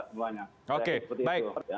semuanya oke baik